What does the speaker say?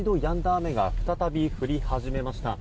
雨が再び降り始めました。